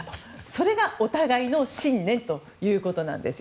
それがお互いの信念ということです。